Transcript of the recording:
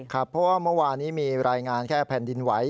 ครับเพราะว่าเมื่อวานนี้มีรายงานแค่แผ่นดินไหว